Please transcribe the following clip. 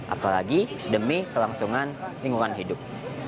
apalagi demi kelangsungan lingkungan hidup